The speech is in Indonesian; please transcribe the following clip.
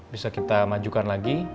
bisa kita majukan lagi